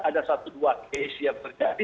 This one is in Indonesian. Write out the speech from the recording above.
ada satu dua case yang terjadi